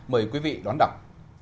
mời quý vị đón đọc